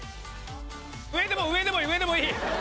上でも上でもいい上でもいい。